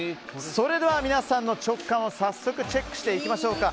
それでは、皆さんの直観を早速チェックしていきましょうか。